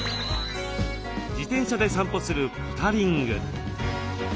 自転車で散歩するポタリング。